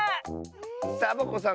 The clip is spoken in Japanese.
サボ子さん